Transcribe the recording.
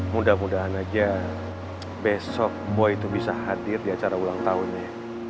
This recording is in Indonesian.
mudah mudahan aja besok boy itu bisa hadir di acara ulang tahunnya